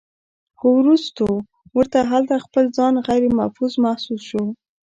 خو وروستو ورته هلته خپل ځان غيرمحفوظ محسوس شو